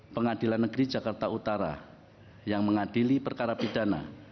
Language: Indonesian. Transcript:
pengadilan negeri jakarta utara yang mengadili perkara pidana